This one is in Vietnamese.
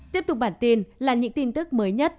tiếp tục bản tin là những tin tức mới nhất